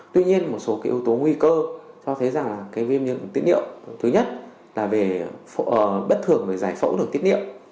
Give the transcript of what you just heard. tuy nhiên một số cái ưu tố nguy cơ cho thấy rằng là cái viêm nhiễm đường tiết niệu thứ nhất là bất thường giải phẫu đường tiết niệu